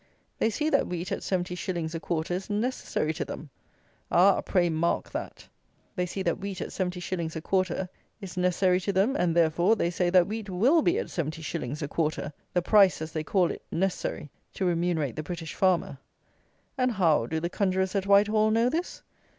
They see that wheat at seventy shillings a quarter is necessary to them! Ah! pray mark that! They see that wheat at seventy shillings a quarter is necessary to them; and, therefore, they say that wheat will be at seventy shillings a quarter, the price, as they call it, necessary to remunerate the British farmer. And how do the conjurers at Whitehall know this?